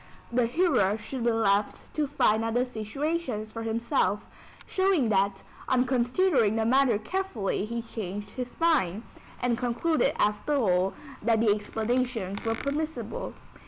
[The hearer should be left to find out the situations for himself,] showing that, on considering the matter carefully he changed his mind, and concluded after all, that the explanations were permissible.